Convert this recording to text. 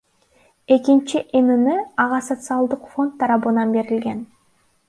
Экинчи ИНН ага Социалдык фонд тарабынан берилген.